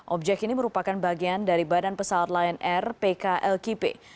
objek ini merupakan bagian dari badan pesawat lion air pklkp